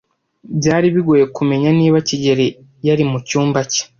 Byari bigoye kumenya niba kigeli yari mucyumba cye.